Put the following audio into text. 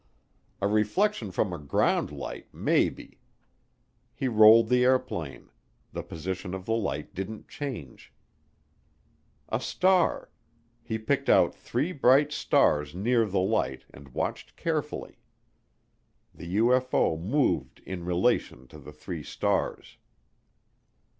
A reflection from a ground light, maybe. He rolled the airplane the position of the light didn't change. A star he picked out three bright stars near the light and watched carefully. The UFO moved in relation to the three stars.